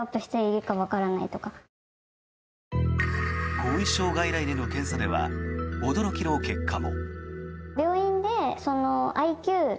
後遺症外来での検査では驚きの結果も。